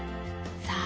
さあ